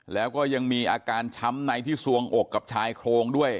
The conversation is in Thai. แล้วก็ยังมีอาการช้ำในที่สวงอกกับชายโครงด้วย